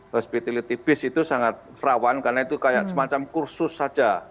hospitality base itu sangat rawan karena itu kayak semacam kursus saja